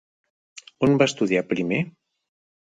On va estudiar primer?